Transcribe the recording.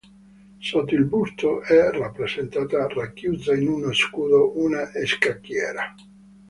Sotto il busto è rappresentata, racchiusa in uno scudo, una scacchiera.